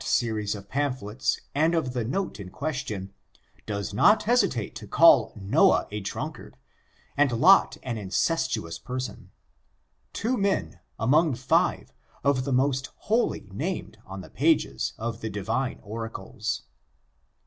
123 series of pamphlets and of the note in question, does not hesitate to call Noah a drunkard, and Lot an incestuous person — two men, among ^ire, of the most holy named on the pages of the divine oracles.